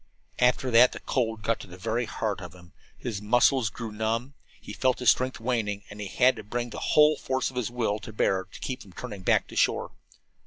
After that the cold got to the very heart of him. His muscles grew numb, he felt his strength waning, and he had to bring the whole force of his will to bear to keep from turning back to shore.